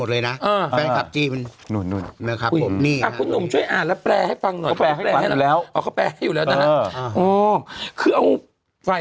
เราออกรายการทีวีอยู่ต้องสุภาพ